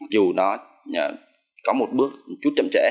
dù nó có một bước chút chậm trễ